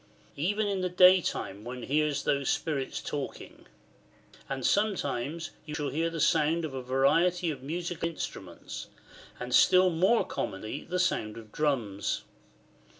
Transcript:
"] Even in the day time one hears those spirits talking. And sometimes you shall hear the sound of a variety of musical instruments, and still more commonly the sound of drums.